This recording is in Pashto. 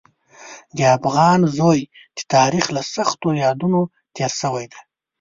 د افغان زوی د تاریخ له سختو بادونو تېر شوی دی.